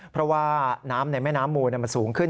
เพราะว่าน้ำในแม่น้ำมูลมันสูงขึ้น